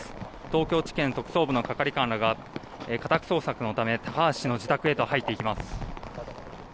東京地検特捜部の係官らが家宅捜索のため高橋氏の自宅へと入っていきます。